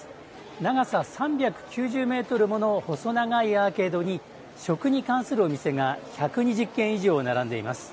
長さ３９０メートルもの細長いアーケードに食に関するお店が１２０軒以上並んでいます。